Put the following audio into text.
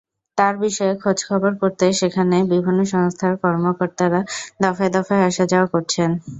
তাঁর বিষয়ে খোঁজখবর করতে সেখানে বিভিন্ন সংস্থার কর্মকর্তারা দফায় দফায় আসা-যাওয়া করছেন।